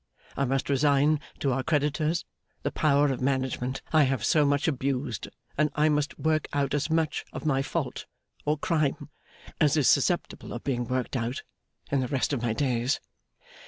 I must resign to our creditors the power of management I have so much abused, and I must work out as much of my fault or crime as is susceptible of being worked out in the rest of my days.